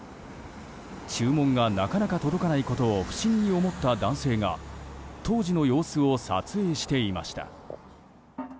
注文がなかなか届かないことを不審に思った男性が当時の様子を撮影していました。